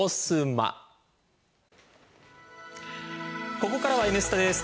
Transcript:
ここからは「Ｎスタ」です